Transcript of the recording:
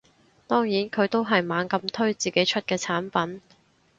當然佢都係猛咁推自己出嘅產品